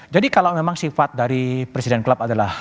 jadi kalau memang sifat dari presiden klab adalah